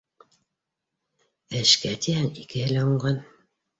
Ә эшкә тиһәң, икеһе лә уңған